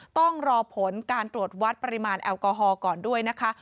ต้องรอผลการตรวจวัดปริมาณแอลกอฮอลก่อนด้วยนะคะ